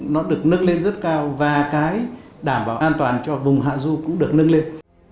nó được nâng lên rất cao và cái đảm bảo an toàn cho vùng hạ du cũng được nâng lên